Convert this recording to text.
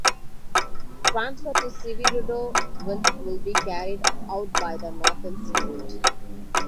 Transfer to Severodvinsk will be carried out by the Northern Sea Route.